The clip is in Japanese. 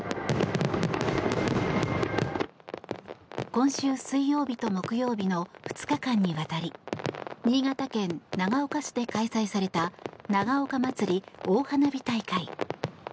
今週水曜日と木曜日の２日間にわたり新潟県長岡市で開催された長岡まつり大花火大会。